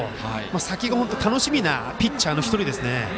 先が本当に楽しみなピッチャーの１人ですね。